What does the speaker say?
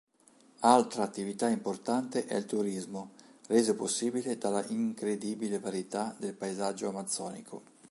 Altra attività importante è il turismo, reso possibile dalla incredibile varietà del paesaggio amazzonico.